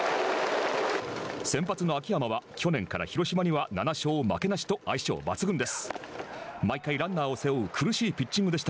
先発の秋山は去年から広島には７勝負けなしと相性抜群です。